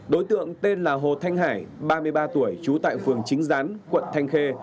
đối tượng tên là hồ thanh hải ba mươi ba tuổi trú tại phường chính gián quận thanh khê